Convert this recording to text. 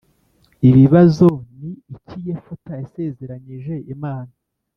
Ibibazo Ni iki Yefuta yasezeranyije Imana